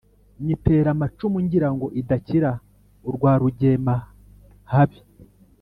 nyitera amacumu ngira ngo idakira uwa rugemahabi,